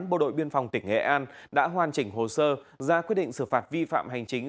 bộ đội biên phòng tỉnh nghệ an đã hoàn chỉnh hồ sơ ra quyết định xử phạt vi phạm hành chính